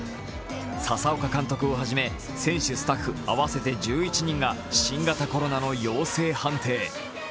佐々岡監督をはじめ選手・スタッフ合わせて１１人が、新型コロナの陽性判定。